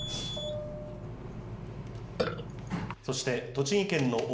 そして、栃木県の奥